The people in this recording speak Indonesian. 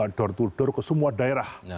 saya dor dor ke semua daerah